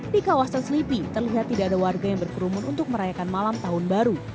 di kawasan selipi terlihat tidak ada warga yang berkerumun untuk merayakan malam tahun baru